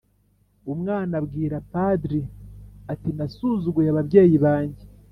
umwana abwira padri ati:"nasuzuguye ababyeyi banjye"